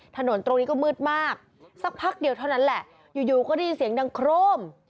ถนนตรงนี้ก็มืดมากสักพักเดียวเท่านั้นแหละอยู่ก็ได้ยินเสียงดังโครม